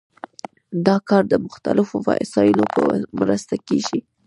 دا کار د مختلفو وسایلو په مرسته کیږي.